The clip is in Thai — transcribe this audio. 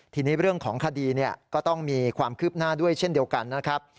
ทีนี้เรื่องของคดีก็ต้องมีความคืบหน้าด้วยเช่นเดียวกันนะครับ